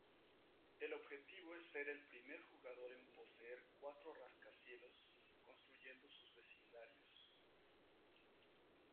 El objetivo es ser el primer jugador en poseer cuatro rascacielos construyendo sus vecindarios.